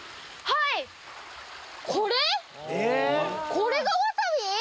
これがわさび？